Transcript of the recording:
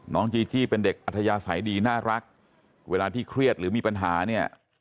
จีจี้เป็นเด็กอัธยาศัยดีน่ารักเวลาที่เครียดหรือมีปัญหาเนี่ย